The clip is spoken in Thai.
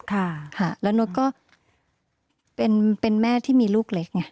ค่ะค่ะแล้วโน๊ตก็เป็นเป็นแม่ที่มีลูกเล็กไงอืม